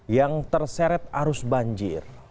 yang terseret arus banjir